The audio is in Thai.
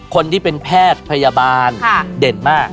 คนที่เป็นแพทย์พยาบาลเด่นมาก